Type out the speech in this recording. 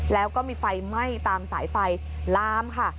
แล้วก็มีไฟไหม้ตามสายไฟลามค่ะ